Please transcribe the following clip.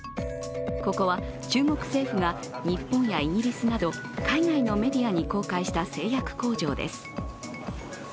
ここは中国政府が日本やイギリスなど海外のメディアに公開した製薬工場です。